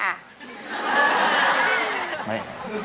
มานี่